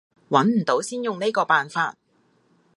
揾唔到先用呢個辦法